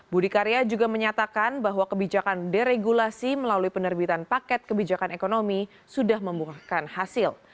budi karya juga menyatakan bahwa kebijakan deregulasi melalui penerbitan paket kebijakan ekonomi sudah membuahkan hasil